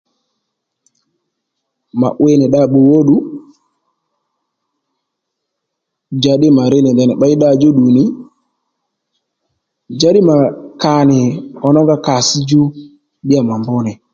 Ma 'wiy nì dda-bbùw óddù njàddǐ mà ri nì ndèy nì pběy dda-bbùw óddù nì njǎddî mà ka nì ǒnga kàss djú ddíya mà mb nì